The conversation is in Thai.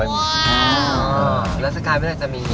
แล้วสกายเวลาจะมี